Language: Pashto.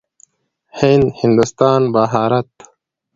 هند، هندوستان، بهارت.